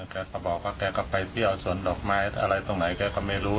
แกก็บอกว่าแกก็ไปเที่ยวสวนดอกไม้อะไรตรงไหนแกก็ไม่รู้